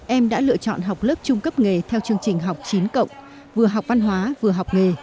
em đã lựa chọn học lớp trung cấp nghề theo chương trình học chín cộng vừa học văn hóa vừa học nghề